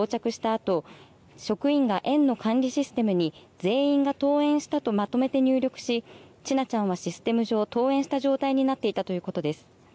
あと職員が園の管理システムに全員が登園したとまとめて入力し千奈ちゃんはシステム上、登園した状態になっていたということです。